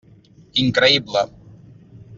Increïble.